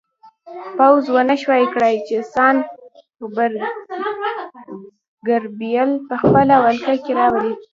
پوځ ونه شوای کړای چې سان ګبریل په خپله ولکه کې راولي.